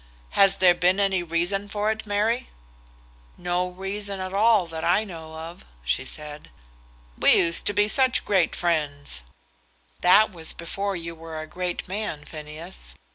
"Has there been any reason for it, Mary?" "No reason at all that I know of," she said. "We used to be such great friends." "That was before you were a great man, Phineas.